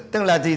tức là gì